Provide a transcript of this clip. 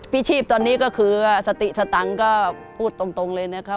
ชีพตอนนี้ก็คือสติสตังค์ก็พูดตรงเลยนะครับ